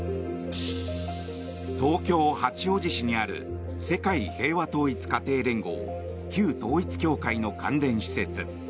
東京・八王子市にある世界平和統一家庭連合旧統一教会の関連施設。